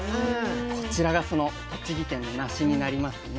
こちらがその栃木県のなしになりますね。